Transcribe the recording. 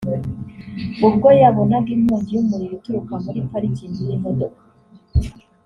ubwo yabonaga inkongi y’umuriro ituruka muri pariking y’imodoka